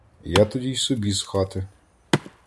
Я тоді й собі з хати.